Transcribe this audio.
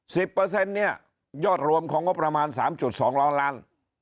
เปอร์เซ็นต์เนี่ยยอดรวมของงบประมาณสามจุดสองล้านล้าน